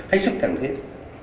hãy sức thẳng thiết